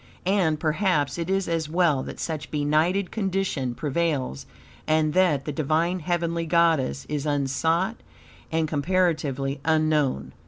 And perhaps it is as well that such a benighted condition prevails, and that the Divine, heavenly goddess is unsought and comparatively unknown.